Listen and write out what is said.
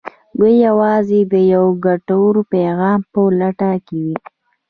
دوی يوازې د يوه ګټور پيغام په لټه کې وي.